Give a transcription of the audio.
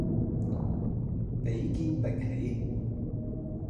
比肩並起